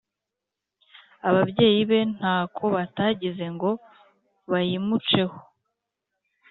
ababyeyi be ntako batagize ngo bayimuceho